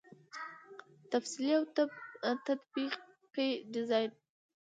تفصیلي او تطبیقي ډيزاين